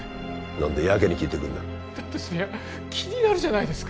何だやけに聞いてくるなだってそりゃ気になるじゃないです